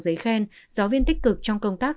giấy khen giáo viên tích cực trong công tác